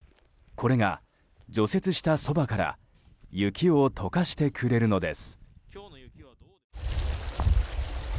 これが、除雪したそばから雪を解かしてくれるのです。